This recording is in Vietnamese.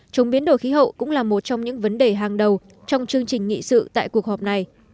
chống biến đổi khí hậu cũng là một trong những vấn đề hàng đầu trong chương trình nghị sự tại cuộc họp này